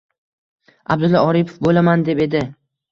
Abdulla Oripov bo‘laman, deb edi.